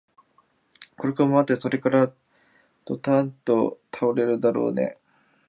くるくるまわって、それからどたっと倒れるだろうねえ